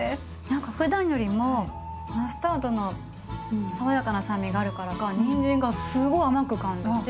何かふだんよりもマスタードの爽やかな酸味があるからかにんじんがすごい甘く感じて。